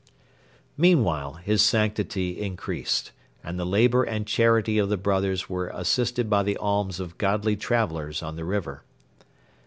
] Meanwhile his sanctity increased, and the labour and charity of the brothers were assisted by the alms of godly travellers on the river.